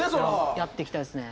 やってきたんですね。